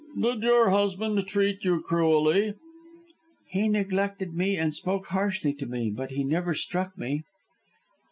"Did your husband treat you cruelly?" "He neglected me and spoke harshly to me, but he never struck me."